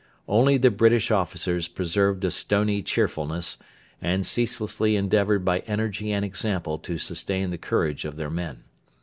Only the British officers preserved a stony cheerfulness, and ceaselessly endeavoured by energy and example to sustain the courage of their men.